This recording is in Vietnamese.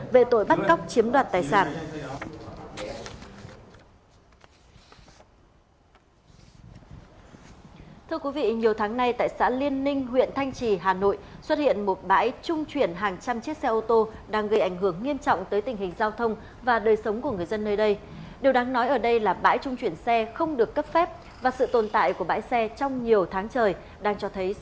về tội bắt cóc chiếm đoạt tài sản